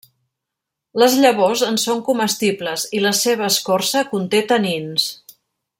Les llavors en són comestibles i la seva escorça conté tanins.